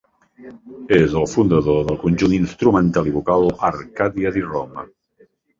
És el fundador del conjunt instrumental i vocal Arcadia di Roma.